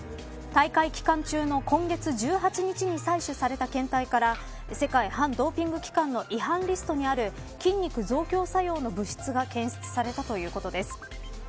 大会期間中の今月１８日に採取された検体から世界反ドーピング機関の違反リストにある筋肉増強作用の物質が検出されたということです。